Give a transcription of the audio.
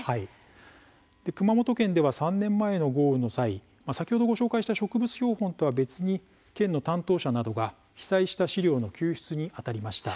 熊本県では３年前の豪雨の際先ほどご紹介した植物標本とは別に県の担当者などが被災した資料の救出にあたりました。